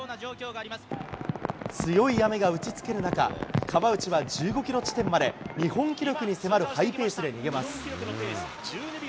強い雨が打ちつける中、川内は１５キロ地点まで日本記録に迫るハイペースで逃げます。